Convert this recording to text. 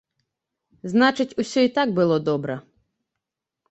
Значыць, усё і так было добра.